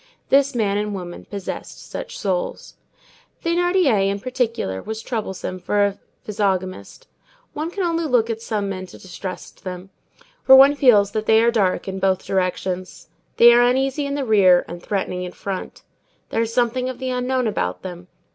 This man and woman possessed such souls. Thénardier, in particular, was troublesome for a physiognomist. One can only look at some men to distrust them; for one feels that they are dark in both directions. They are uneasy in the rear and threatening in front. There is something of the unknown about them.